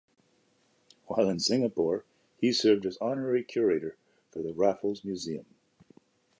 While in Singapore he served as honorary curator for the Raffles Museum.